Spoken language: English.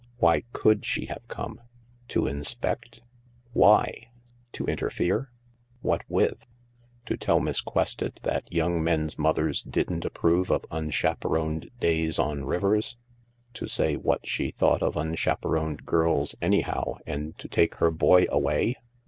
Why could she have come ? To inspect ? Why ? To interfere ? What with ? To tell Miss Quested that young men's mothers didn't approve of unchaperoned days on rivers ? To say what she thought of unchaperoned girls anyhow, and to take her boy away?